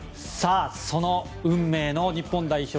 その運命の日本代表